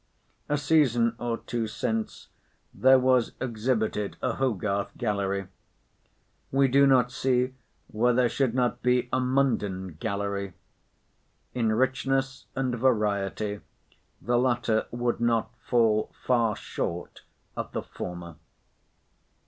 A season or two since there was exhibited a Hogarth gallery. We do not see why there should not be a Munden gallery. In richness and variety the latter would not fall far short of the former.